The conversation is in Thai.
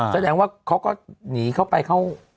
แสดงว่าเขาก็หนีเข้าไปเขา